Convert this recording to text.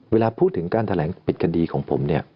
เวลาพูดถึงการแถลงปิดคดีของผมเนี่ย